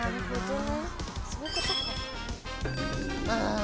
ああ。